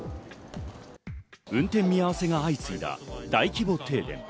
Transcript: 運転見合わせが相次いだ大規模停電。